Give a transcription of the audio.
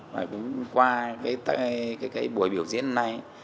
và cũng qua cái buổi biểu diễn hôm nay